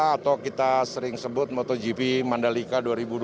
atau kita sering sebut motogp mandalika dua ribu dua puluh